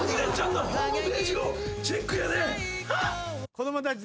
子供たち。